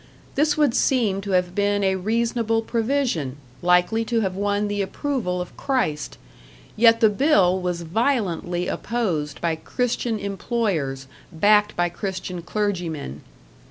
This would seem to have been a reasonable provision, likely to have won the approval of Christ; yet the bill was violently opposed by Christian employers, backed by Christian clergymen.